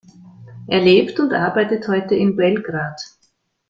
Er lebt und arbeitet heute in Belgrad.